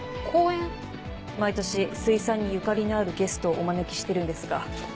毎年水産にゆかりのあるゲストをお招きしてるんですが。